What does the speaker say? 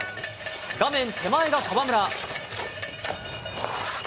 画面手前が川村。